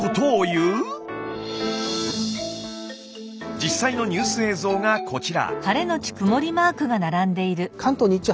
実際のニュース映像がこちら。